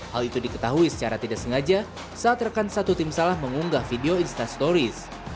hal itu diketahui secara tidak sengaja saat rekan satu tim salah mengunggah video instastoris